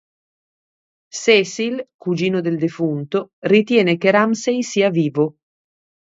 Cecil, cugino del defunto, ritiene che Ramsey sia vivo.